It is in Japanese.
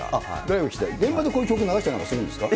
現場でこういう曲流したりするんですか。